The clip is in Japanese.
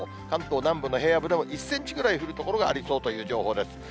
関東南部の平野部でも１センチぐらい降る所がありそうという情報です。